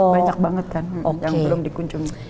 banyak banget kan yang belum dikunjungi